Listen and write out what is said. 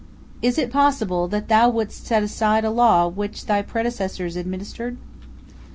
Is it possible that thou wouldst set aside a law which thy predecessors administered?"